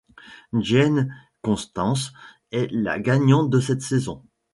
Jane Constance est la gagnante de cette saison.